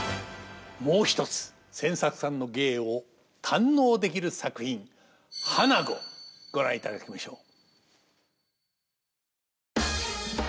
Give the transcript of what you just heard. もう一つ千作さんの芸を堪能できる作品「花子」ご覧いただきましょう。